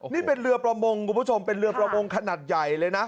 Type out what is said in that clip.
นี่เป็นเรือประมงคุณผู้ชมเป็นเรือประมงขนาดใหญ่เลยนะ